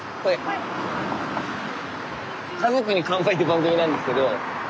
「家族に乾杯」って番組なんですけど。